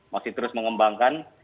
masih terus mengembangkan